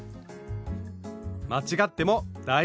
間違っても大丈夫。